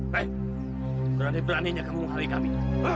hei berani beraninya kamu menghari kami